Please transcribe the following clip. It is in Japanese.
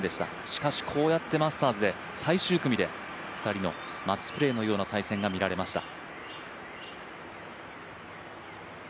しかし、こうやってマスターズで最終組で２人のマッチプレーのような対戦が見られました。